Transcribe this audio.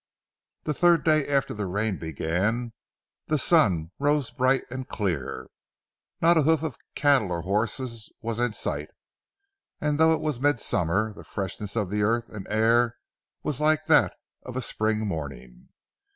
The third day after the rain began the sun rose bright and clear. Not a hoof of cattle or horses was in sight, and though it was midsummer, the freshness of earth and air was like that of a spring morning.